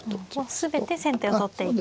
全て先手を取っていくと。